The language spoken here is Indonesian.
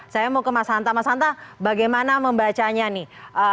saya mau ke mas hanta mas hanta bagaimana membacanya nih